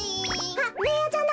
あっベーヤちゃんだ！